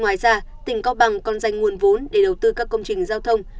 ngoài ra tỉnh cao bằng còn dành nguồn vốn để đầu tư các công trình giao thông